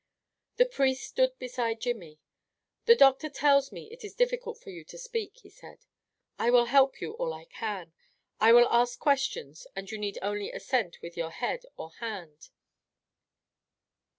The priest stood beside Jimmy. "The doctor tells me it is difficult for you to speak," he said, "I will help you all I can. I will ask questions and you need only assent with your head or hand.